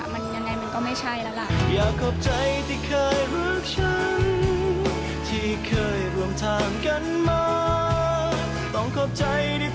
มันยังไงมันก็ไม่ใช่แล้วล่ะ